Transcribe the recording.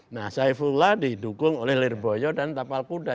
nah saifullah didukung oleh lirboyo dan tapal kuda